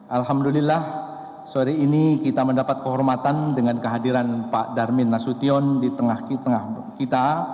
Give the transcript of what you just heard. alhamdulillah sore ini kita mendapat kehormatan dengan kehadiran pak darmin nasution di tengah kita